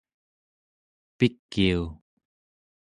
pikiu